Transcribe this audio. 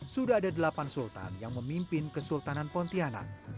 sudah ada delapan sultan yang memimpin kesultanan pontianak